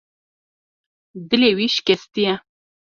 Dilê wî şikestî ye.